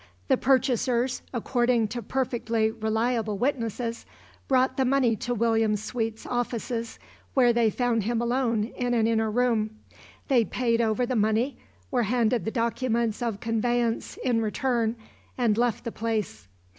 The purchasers according to perfectly reliable witnesses brought the money to William Sweet's offices where they found him alone in an inner room. They paid over the money, were handed the documents of conveyance in return, and left the place.